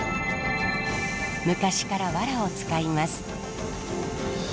昔からワラを使います。